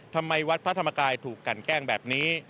วัดพระธรรมกายถูกกันแกล้งแบบนี้